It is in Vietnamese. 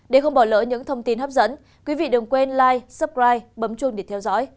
để không bỏ lỡ những thông tin hấp dẫn quý vị đừng quên li suppride bấm chuông để theo dõi